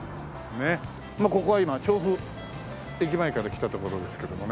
ここは今調布駅前から来た所ですけどもね。